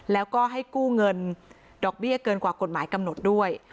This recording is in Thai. แล้วก็ให้กู้เงินดอกเบี้ยเกินกว่ากฎหมายกำหนดด้วย